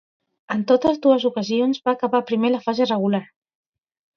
En totes dues ocasions va acabar primer la fase regular.